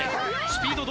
スピード